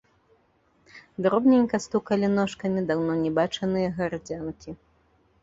Дробненька стукалі ножкамі даўно не бачаныя гарадзянкі.